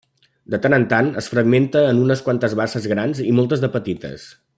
De tant en tant, es fragmenta en unes quantes basses grans i moltes de petites.